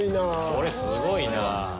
これすごいな。